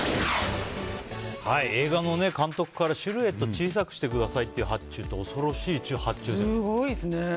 映画の監督からシルエットを小さくしてくださいという発注って恐ろしい発注ですね。